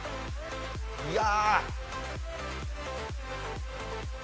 いや。